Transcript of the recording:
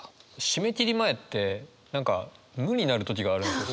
締め切り前って何か無になる時がある。